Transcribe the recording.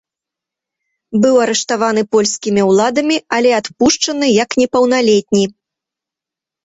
Быў арыштаваны польскімі ўладамі, але адпушчаны як непаўналетні.